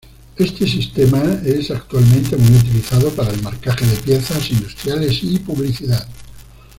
Este sistema es actualmente muy utilizado para el marcaje de piezas industriales y publicidad.